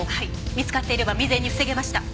見つかっていれば未然に防げました。